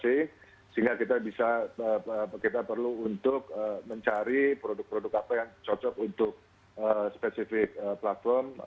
sehingga kita bisa kita perlu untuk mencari produk produk apa yang cocok untuk spesifik platform